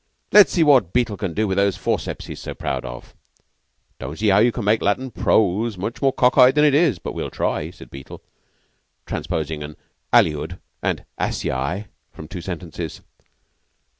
"Let's see what Beetle can do with those forceps he's so proud of." "Don't see now you can make Latin prose much more cock eye than it is, but we'll try," said Beetle, transposing an aliud and Asiae from two sentences.